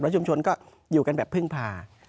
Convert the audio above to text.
ชุมชนก็อยู่กันแบบพึ่งพา